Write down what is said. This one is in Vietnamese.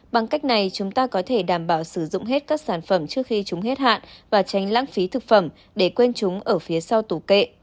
bằng cách này chúng ta có thể đảm bảo sử dụng hết các sản phẩm trước khi chúng hết hạn và tránh lãng phí thực phẩm để quên chúng ở phía sau tủ kệ